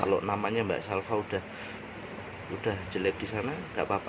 kalau namanya mbak salva sudah jelek di sana tidak apa apa